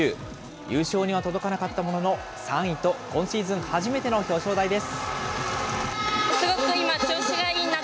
優勝には届かなかったものの、３位と今シーズン初めての表彰台です。